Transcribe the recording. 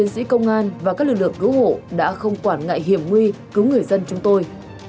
sĩ công an và các lực lượng cứu hộ đã không quản ngại hiểm nguy cứu người dân chúng tôi